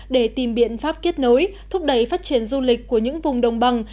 để tìm biện pháp kết nối thúc đẩy phát triển du lịch của những vùng đồng bằng